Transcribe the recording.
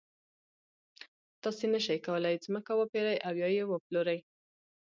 تاسو نشئ کولای ځمکه وپېرئ او یا یې وپلورئ.